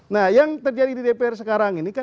nah yang terjadi di dpr sekarang ini kan